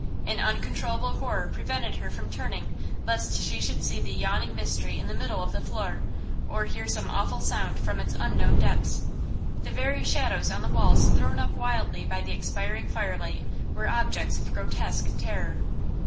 An uncontrollable horror prevented her from turning lest she should see the yawning mystery in the middle of the floor, or hear some awful sound from its unknown depths. The very shadows on the walls thrown up wildly by the expiring firelight were objects of grotesque terror.